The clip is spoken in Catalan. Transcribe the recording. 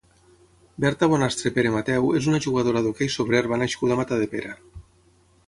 Berta Bonastre Peremateu és una jugadora d'hoquei sobre herba nascuda a Matadepera.